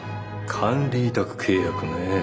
管理委託契約ね。